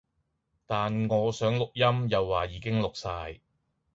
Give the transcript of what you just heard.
但我想錄音又話已經錄晒